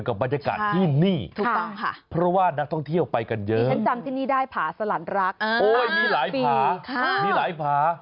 คุณชี่สาต้องไปพานี้พาพบรัก